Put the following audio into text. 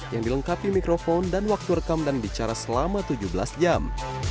yang dilengkapi mikrofon dan waktu rekam dan bicara selama tujuh belas jam